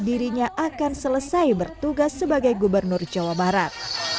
dirinya akan selesai bertugas sebagai gubernur jawa barat